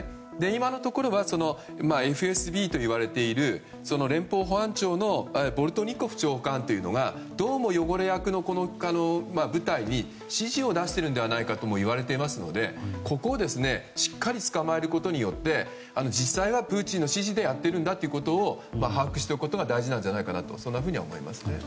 今のところはＦＳＢといわれている連邦保安庁のボルトニコフ長官というのがどうも、この汚れ役の部隊に指示を出しているのではないかと言われていますのでここをしっかりつかまえることによって実際はプーチンの指示でやってるんだということを把握することが大事じゃないかと思いますね。